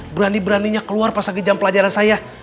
berani beraninya keluar pas lagi jam pelajaran saya